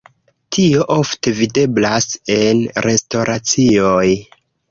Tio ofte videblas en restoracioj.